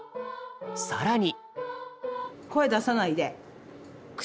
更に。